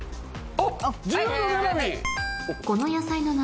あっ。